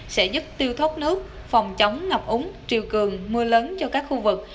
sẽ giúp tiêu thoát nước phòng chống ngập úng triều cường mưa lớn cho các khu vực